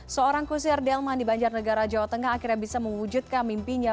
seorang kusir delman di banjarnegara jawa tengah akhirnya bisa mewujudkan mimpinya